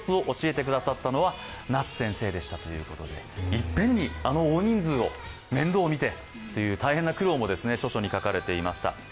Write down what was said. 一遍に、あの大人数を面倒をみてという大変な苦労も著書に書かれていました。